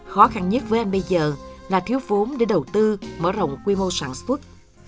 khó khăn nhất với em bây giờ là thiếu vốn để đầu tư mở rộng quy mô sản xuất